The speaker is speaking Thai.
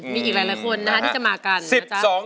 มีอีกหลายคนนะครับที่จะมากัน